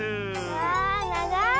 わあながい。